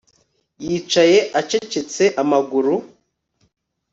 Yicaye acecetse amaguru